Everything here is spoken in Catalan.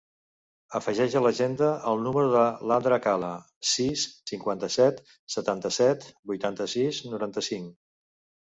Afegeix a l'agenda el número de l'Andra Cala: sis, cinquanta-set, setanta-set, vuitanta-sis, noranta-cinc.